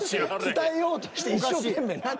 伝えようとして一生懸命になった。